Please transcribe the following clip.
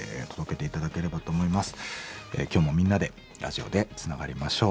今日もみんなでラジオでつながりましょう。